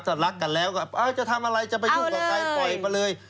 ถ้ารักกันแล้วก็จะทำอะไรจะไปยุ่งกับใครปล่อยมาเลย